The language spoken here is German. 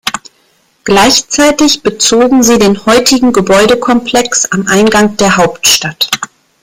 Gleichzeitig bezogen sie den heutigen Gebäude-Komplex am Eingang der Hauptstadt.